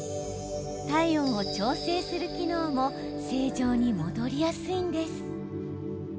体温を調整する機能も正常に戻りやすいんです。